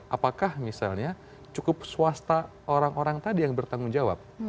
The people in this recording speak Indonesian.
apakah misalnya cukup swasta orang orang tadi yang bertanggung jawab